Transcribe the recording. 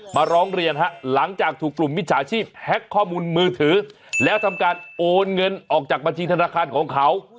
ร้องเรียนฮะหลังจากถูกกลุ่มมิจฉาชีพแฮ็กข้อมูลมือถือแล้วทำการโอนเงินออกจากบัญชีธนาคารของเขา